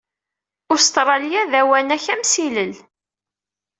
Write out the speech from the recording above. Ustṛalya d awanak-amsillel.